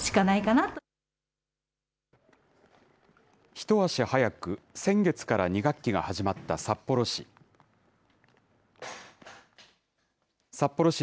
一足早く、先月から２学期が始まった札幌市。